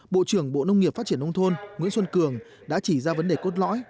bộ trưởng bộ nông nghiệp phát triển nông thôn nguyễn xuân cường đã chỉ ra vấn đề cốt lõi